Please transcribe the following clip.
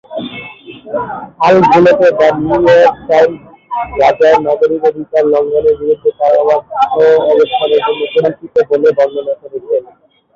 আল-ঘুলকে the New York Times "গাজায় নাগরিক অধিকার লঙ্ঘনের বিরুদ্ধে তার অবাধ্য অবস্থানের জন্য পরিচিত" বলে বর্ণনা করেছে।